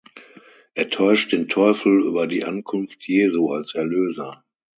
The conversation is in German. Er täuscht den Teufel über die Ankunft Jesu als Erlöser.